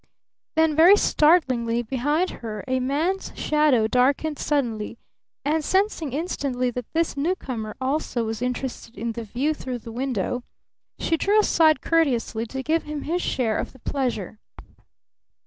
Then very startlingly behind her a man's shadow darkened suddenly, and, sensing instantly that this newcomer also was interested in the view through the window, she drew aside courteously to give him his share of the pleasure.